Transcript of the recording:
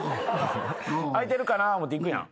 開いてるかな思て行くやん。